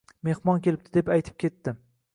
Mehmon kelibdi, deb aytib ketdi